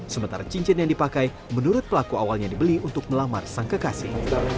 sementara cincin yang dipakai menurut pelaku awalnya dibeli untuk melamar sang kekasih